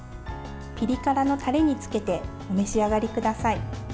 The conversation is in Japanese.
ピリ辛のタレにつけてお召し上がりください。